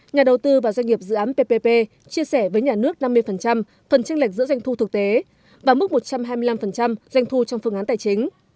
nhà đầu tư và doanh nghiệp dự án ppp chia sẻ với nhà nước năm mươi phần tranh lệch giữa doanh thu thực tế và mức một trăm hai mươi năm doanh thu trong phương án tài chính